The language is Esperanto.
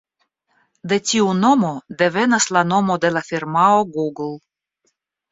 De tiu nomo devenas la nomo de la firmao Google.